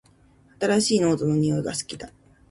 新しいノートの匂いが好きだ